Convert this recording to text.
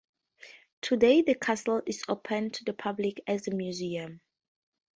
Today the castle is open to the public as a museum.